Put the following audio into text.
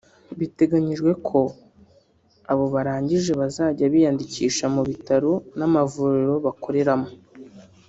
Biteganyijwe abo barangije bazajya biyandikisha mu bitaro n’amavuriro bakoreramo